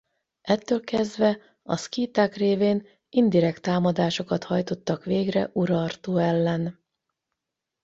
Ettől kezdve a szkíták révén indirekt támadásokat hajtottak végre Urartu ellen.